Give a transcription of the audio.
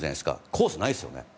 コースないですよね